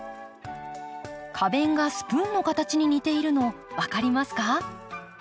花弁がスプーンの形に似ているの分かりますか？